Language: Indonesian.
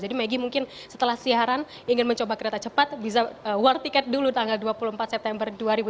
jadi maggie mungkin setelah siaran ingin mencoba kereta cepat bisa war tiket dulu tanggal dua puluh empat september dua ribu dua puluh tiga